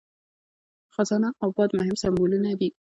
خزانه او باد مهم سمبولونه دي.